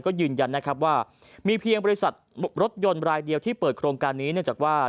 ก็ยืนยันนะครับว่ามีเพียงบริษัทรถยนต์รายเดียวที่เปิดโครงการนี้เนื่องจากว่า